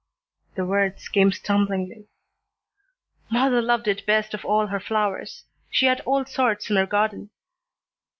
The words came stumblingly. "Mother loved it best of all her flowers; she had all sorts in her garden."